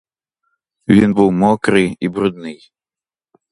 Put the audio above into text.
Він був мокрий і брудний.